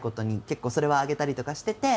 結構それは上げたりとかしてて。